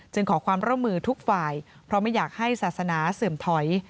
ขอความร่วมมือทุกฝ่ายเพราะไม่อยากให้ศาสนาเสื่อมถอย